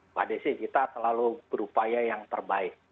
mbak desi kita selalu berupaya yang terbaik